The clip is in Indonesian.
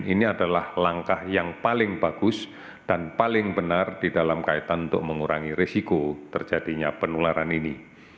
ini adalah langkah yang paling bagus dan paling benar di dalam kaitan untuk mengurangi risiko terjadinya penularan ini